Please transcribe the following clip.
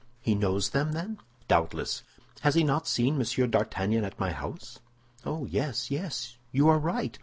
"He knows them, then?" "Doubtless. Has he not seen Monsieur d'Artagnan at my house?" "Oh, yes, yes; you are right.